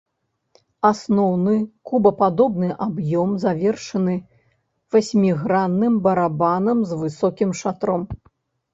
Асноўны кубападобны аб'ём завершаны васьмігранным барабанам з высокім шатром.